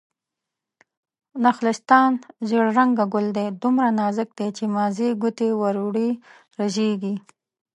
نخلستان: زيړ رنګه ګل دی، دومره نازک دی چې مازې ګوتې ور وړې رژيږي